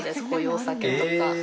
こういうお酒とか。